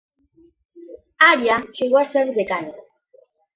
Arias llegó a ser decano.